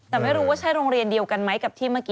แต่ไม่รู้ว่าใช่โรงเรียนเดียวกันไหมกับที่เมื่อกี้